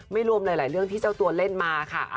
ไม่รวมหลายเรื่องที่เจ้าตัวเล่นมาค่ะ